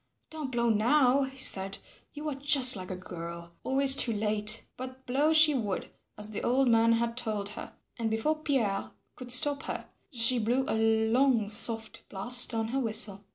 "Don't blow now," he said, "you are just like a girl, always too late." But blow she would, as the old man had told her, and before Pierre could stop her she blew a long soft blast on her whistle.